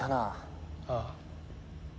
ああ？